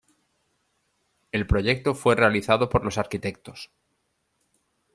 El proyecto fue realizado por los arquitectos.